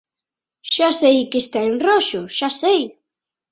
Xa sei que está en roxo, xa sei.